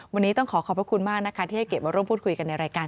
วันนี้ต้องขอขอบพระคุณมากนะคะที่ให้เกียรติมาร่วมพูดคุยกันในรายการ